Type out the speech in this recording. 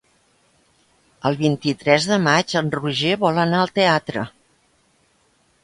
El vint-i-tres de maig en Roger vol anar al teatre.